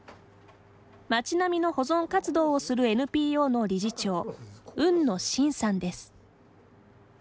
町並みの保存活動をするＮＰＯの理事長海野伸さんです。